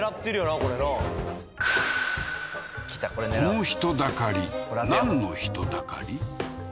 これなこの人だかりなんの人だかり？